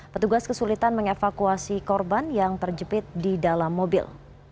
petugas kesulitan mengevakuasi korban yang terjepit di dalam mobil